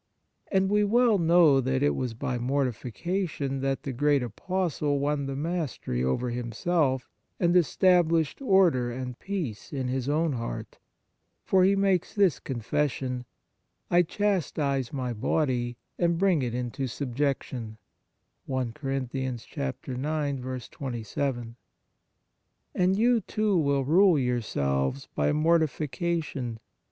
And we well know that it was by mortification that the great Apostle won the mastery over him self and established order and peace in his own heart ; for he makes this confession :" I chastise my body, and bring it into subjection."! And you, too, will rule yourselves by mortification.